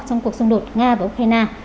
trong cuộc xung đột nga và ukraine